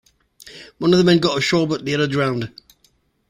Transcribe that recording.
One of the men got ashore but the other drowned.